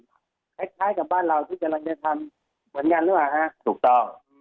ในกับบ้านเราที่กำลังได้ทำที่ผมบอกครับ